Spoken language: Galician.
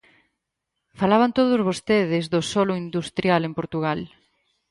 Falaban todos vostedes do solo industrial en Portugal.